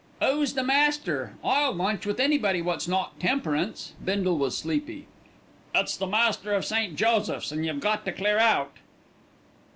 "'Oo's the Master? I'll lunch with anybody wot's not temperance." Bindle was sleepy. "It's the Master of St. Joseph's, and you've got to clear out."